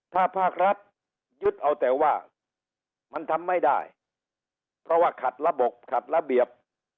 ถ้าภาครัฐยึดเอาแต่ว่ามันทำไม่ได้เพราะว่าขัดระบบขัดระเบียบ